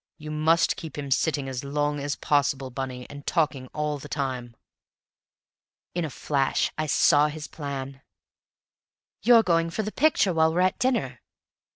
You must keep him sitting as long as possible, Bunny, and talking all the time!" In a flash I saw his plan. "You're going for the picture while we're at dinner?"